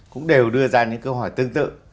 cũng đều đưa ra những câu hỏi tương tự